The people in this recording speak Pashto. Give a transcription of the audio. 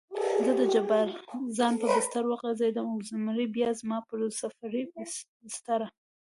زه د جبار خان پر بستره وغځېدم او زمری بیا زما پر سفرۍ بستره.